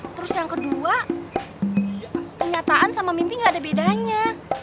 terus yang kedua kenyataan sama mimpi gak ada bedanya